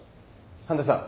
半田さん